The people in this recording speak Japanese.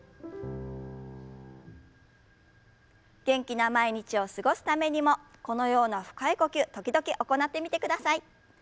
元気な毎日を過ごすためにもこのような深い呼吸時々行ってみてください。